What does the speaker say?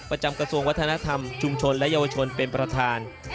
กระทรวงวัฒนธรรมชุมชนและเยาวชนเป็นประธาน